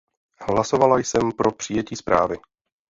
Hlasovala jsem pro přijetí zprávy.